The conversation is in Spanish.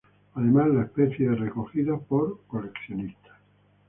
Además, la especie es recogida por coleccionistas.